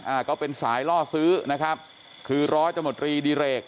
อ่าก็เป็นสายล่อซื้อนะครับคือร้อยตำรวจรีดิเรก